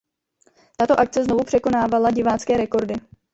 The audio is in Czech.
Tato akce znovu překonávala divácké rekordy.